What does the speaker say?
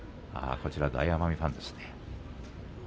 こちらは大奄美ファンですね。